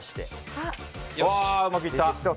うまくいった。